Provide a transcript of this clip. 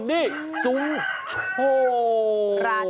นี่ซุโฮ